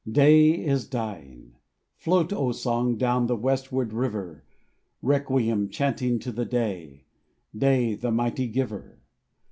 Day is dying! Float, O song, Down the westward river, Requiem chanting to the Day Day, the mighty Giver.